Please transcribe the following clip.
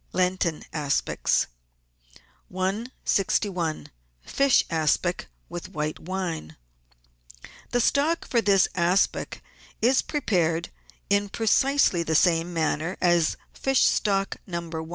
LENTEN ASPICS 161— FISH ASPIC WITH WHITE WINE The stock for this aspic is prepared in precisely the same manner as fish stock, No. i .